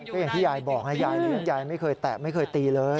ก็อย่างที่ยายบอกนะยายเลี้ยงยายไม่เคยแตะไม่เคยตีเลย